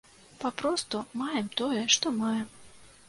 Папросту маем тое, што маем.